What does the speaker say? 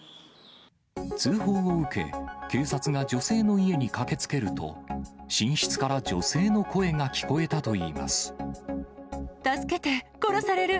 通報を受け、警察が女性の家に駆けつけると、寝室から女性の声が聞こえたとい助けて、殺される。